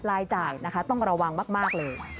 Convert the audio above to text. รายจ่ายนะคะต้องระวังมากเลย